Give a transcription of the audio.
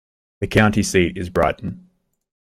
The county seat is Brighton.